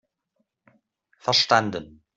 Verstanden!